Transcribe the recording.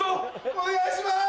お願いします。